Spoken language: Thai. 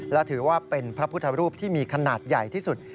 และถือว่าเป็นพระพุทธรูปที่มีขนาดใหญ่ที่สุด